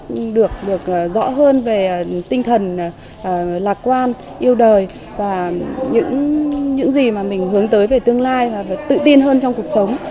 cũng được rõ hơn về tinh thần lạc quan yêu đời và những gì mà mình hướng tới về tương lai và tự tin hơn trong cuộc sống